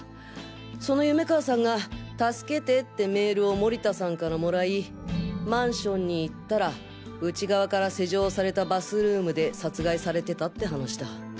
その夢川さんが「助けて」ってメールを盛田さんからもらいマンションに行ったら内側から施錠されたバスルームで殺害されてたって話だ。